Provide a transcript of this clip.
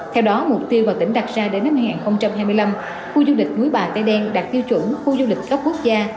theo đó mục tiêu mà tỉnh đặt ra đến năm hai nghìn hai mươi năm khu du lịch núi bà tây đen đạt tiêu chuẩn khu du lịch cấp quốc gia